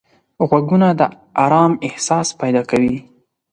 غوږونه د آرام احساس پیدا کوي